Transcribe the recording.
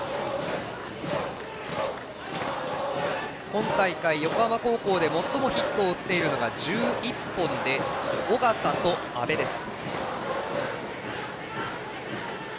今大会、横浜高校で最もヒットを打っているのが１１本で緒方と阿部です。